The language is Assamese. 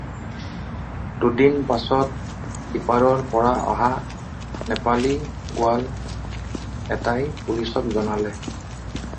দুদিন পাচত সিপাৰৰ পৰা অহা নেপালী গুৱাল এটাই পুলিচক জনালে।